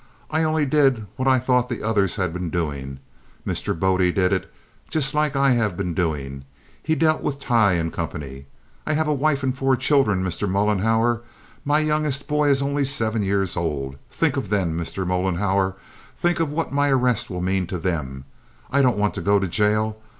I only did what I thought the others had been doing. Mr. Bode did it, just like I have been doing. He dealt with Tighe and Company. I have a wife and four children, Mr. Mollenhauer. My youngest boy is only seven years old. Think of them, Mr. Mollenhauer! Think of what my arrest will mean to them! I don't want to go to jail.